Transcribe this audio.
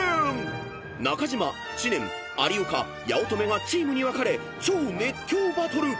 ［中島知念有岡八乙女がチームに分かれ超熱狂バトル］